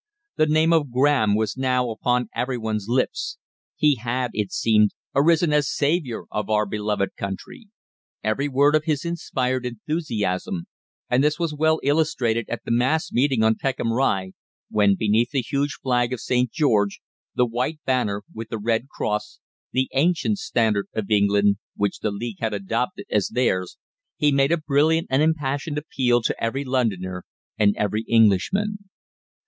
The name of Graham was now upon every one's lips. He had, it seemed, arisen as saviour of our beloved country. Every word of his inspired enthusiasm, and this was well illustrated at the mass meeting on Peckham Rye, when, beneath the huge flag of St. George, the white banner with the red cross the ancient standard of England which the League had adopted as theirs, he made a brilliant and impassioned appeal to every Londoner and every Englishman.